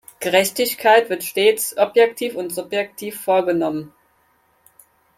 Gerechtigkeit wird stets objektiv und subjektiv vorgenommen.